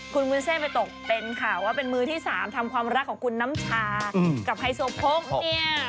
คุณวุ้นเส้นไปตกเป็นข่าวว่าเป็นมือที่สามทำความรักของคุณน้ำชากับไฮโซโพกเนี่ย